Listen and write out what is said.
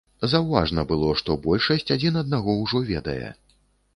Заўважна было, што большасць адзін аднаго ўжо ведае.